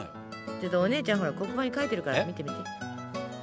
ちょっとお姉ちゃん黒板に書いてるから見てみて。